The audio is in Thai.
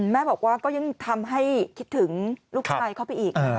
แม่บอกว่าก็ยังทำให้คิดถึงลูกชายเข้าไปอีก